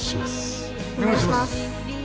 お願いします。